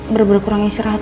berbeda kurang istirahat